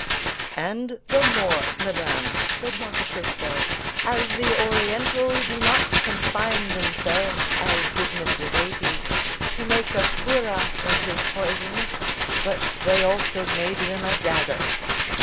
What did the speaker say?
"And the more, madame," said Monte Cristo, "as the Orientals do not confine themselves, as did Mithridates, to make a cuirass of his poisons, but they also made them a dagger.